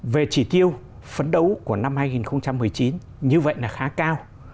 về chỉ tiêu phấn đấu của năm hai nghìn một mươi chín như vậy là khá cao